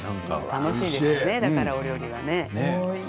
楽しいですねだからお料理は。